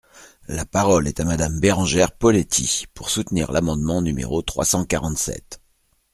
La parole est à Madame Bérengère Poletti, pour soutenir l’amendement numéro trois cent quarante-sept.